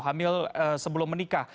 hamil sebelum menikah